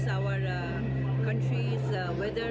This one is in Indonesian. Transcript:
saya sering menggunakan rachel mataok